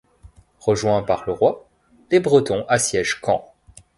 Rejoint par le roi, les Bretons assiègent Caen.